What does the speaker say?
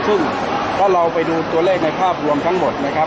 ซึ่งถ้าเราไปดูตัวเลขในภาพรวมทั้งหมดนะครับ